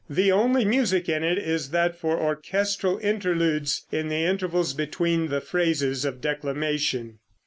The only music in it is that for orchestral interludes in the intervals between the phrases of declamation.